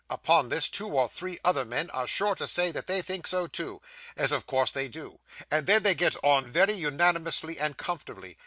Upon this, two or three other men are sure to say that they think so too as of course they do; and then they get on very unanimously and comfortably.